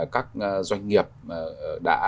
các doanh nghiệp đã